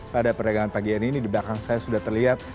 pada perdagangan pagi hari ini di belakang saya sudah terlihat